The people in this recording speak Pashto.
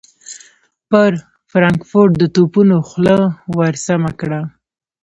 پر فرانکفورټ د توپونو خوله ور سمهکړه.